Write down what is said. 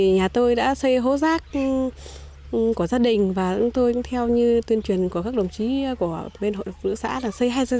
nhà tôi đã xây hố rác của gia đình và tôi cũng theo như tuyên truyền của các đồng chí của hội phụ nữ xã là xây hai dân ngăn